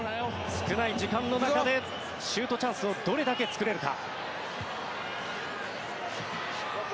少ない時間の中でシュートチャンスをどれだけ作れるか。